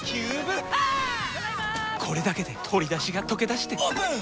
これだけで鶏だしがとけだしてオープン！